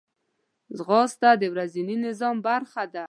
ځغاسته د ورځني نظام برخه ده